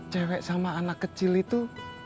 cewek sama anak kecil itu